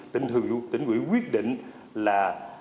tỉnh quỹ quyết định là